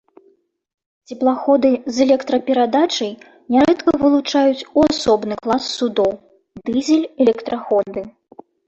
Цеплаходы з электраперадачай нярэдка вылучаюць у асобны клас судоў, дызель-электраходы.